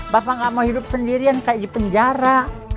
bapak nggak mau hidup sendirian kayak di penjara